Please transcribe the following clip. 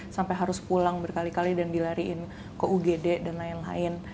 sampai harus pulang berkali kali dan dilariin ke ugd dan lain lain